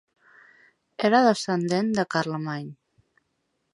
Era descendent de Carlemany.